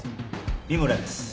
三村です。